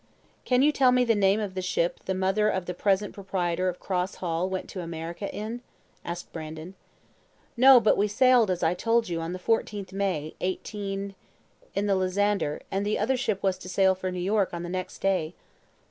"Can you tell me the name of the ship the mother of the present proprietor of Cross Hall went to America in?" asked Brandon. "No, but we sailed, as I told you, on the 14th May, 18 , in the 'Lysander,' and the other ship was to sail for New York on the next day."